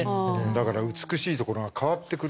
だから美しいところが変わってくるって事？